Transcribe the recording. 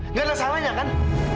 nggak ada salahnya kan